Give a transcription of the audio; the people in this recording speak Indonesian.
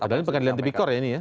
adanya pengadilan tipikor ya ini ya